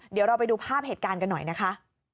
เดี๋ยวเราไปดูภาพเหตุการณ์กันหน่อยนะคะ